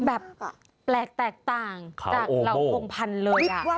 แบบแปลกแตกต่างจากเหล่าพงพันธุ์เลย